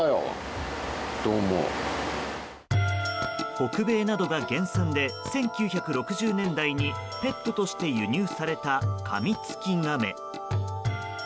北米などが原産で１９６０年代にペットとして輸入されたカミツキガメ。